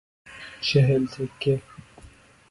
چهل تکه